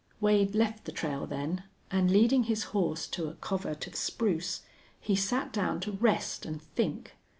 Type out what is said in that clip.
Wade left the trail then, and, leading his horse to a covert of spruce, he sat down to rest and think.